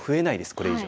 これ以上。